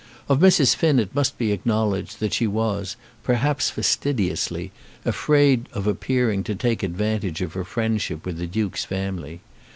Of Mrs. Finn it must be acknowledged that she was, perhaps fastidiously, afraid of appearing to take advantage of her friendship with the Duke's family.